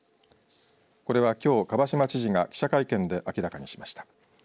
これはきょう蒲島知事が記者会見で明らかにしました。